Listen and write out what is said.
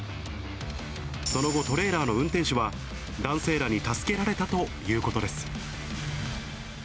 その後、トレーラーの運転手は男性らに助けられたということです。